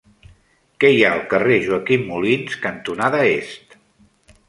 Què hi ha al carrer Joaquim Molins cantonada Est?